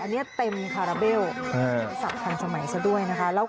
อันนี้เต็มพาราเบลศักดิ์พันธ์สมัยซะด้วยนะคะ